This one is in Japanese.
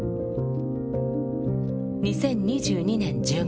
２０２２年１０月。